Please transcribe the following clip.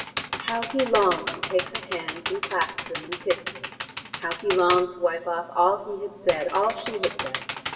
How he longed to take her hands and clasp them and kiss them! How he longed to wipe off all he had said, all she had said.